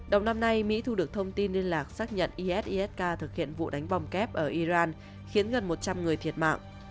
đầu năm nay mỹ thu được thông tin liên lạc xác nhận isisk thực hiện vụ đánh bom kép ở iran khiến gần một trăm linh người thiệt mạng